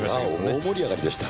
大盛り上がりでした。